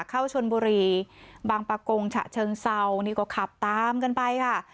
เข้าชนบุรีบางปะกงฉะเชิงเซานี่ก็ขับตามกันไปค่ะ